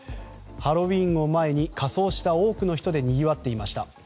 ハロウィーンを前に仮装した多くの人でにぎわっていました。